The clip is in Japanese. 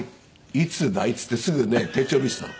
「いつだい？」っつってすぐね手帳見せたの。